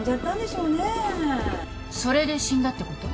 それで死んだってこと？